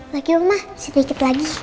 lagi mama sedikit lagi